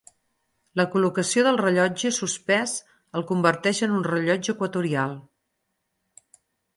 La col·locació del rellotge suspès el converteix en un rellotge equatorial.